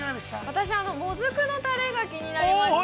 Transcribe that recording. ◆私、もずくのたれが気になりました。